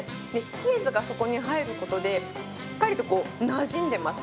チーズがそこに入ることで、しっかりとなじんでます。